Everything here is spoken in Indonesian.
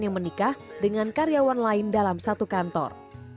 yang menikah dengan karyawan lain dalam satu kantor